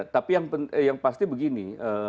tapi yang pasti begini